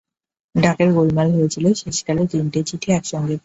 ডাকের গোলমাল হয়েছিল, শেষকালে তিনটে চিঠি একসঙ্গে পেলেন।